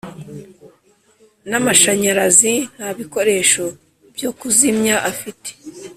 n amashanyarazi nta bikoresho byo kuzimya afite